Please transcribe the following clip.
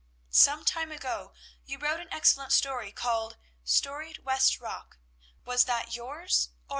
Some time ago you wrote an excellent story called 'Storied West Rock;' was that yours, or another parody?"